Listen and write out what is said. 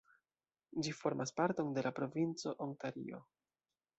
Ĝi formas parton de la provinco Ontario.